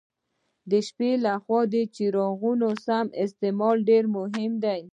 د شپې له خوا د څراغونو سم استعمال ډېر مهم دی.